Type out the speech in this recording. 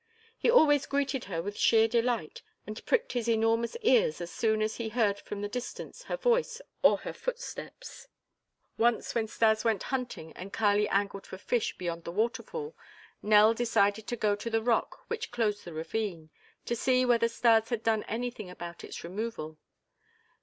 He always greeted her with sheer delight and pricked his enormous ears as soon as he heard from the distance her voice or her footsteps. Once, when Stas went hunting and Kali angled for fish beyond the waterfall, Nell decided to go to the rock which closed the ravine, to see whether Stas had done anything about its removal.